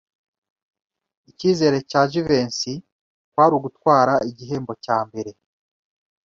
Icyizere cya Jivency kwari ugutwara igihembo cya mbere.